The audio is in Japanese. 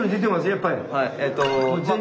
やっぱり。